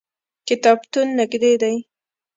کتابتون نږدې دی